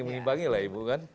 menimbangi lah ibu kan